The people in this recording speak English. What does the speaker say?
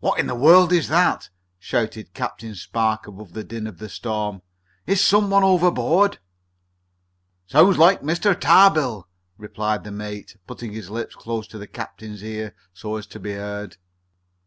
"What in the world is that?" shouted Captain Spark above the din of the storm. "Is some one overboard?" "Sounds like Mr. Tarbill," replied the mate, putting his lips close to the captain's ear, so as to be heard.